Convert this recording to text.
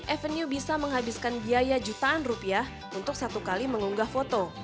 avenue bisa menghabiskan biaya jutaan rupiah untuk satu kali mengunggah foto